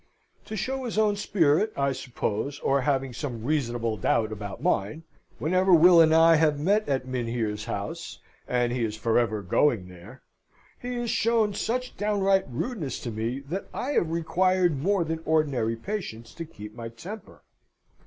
To show his own spirit, I suppose, or having some reasonable doubt about mine, whenever Will and I have met at Mynheer's house and he is for ever going there he has shown such downright rudeness to me, that I have required more than ordinary patience to keep my temper.